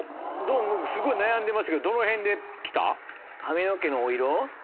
すごい悩んでましたけどどのへんで来た？